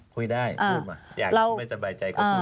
คุยได้เริ่มมา